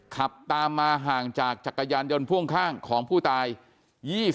ขับตามมาห่างจากจักรยานยนต์พ่วงข้างของผู้ตาย